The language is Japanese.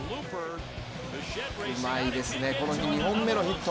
うまいですね、この日２本目のヒット。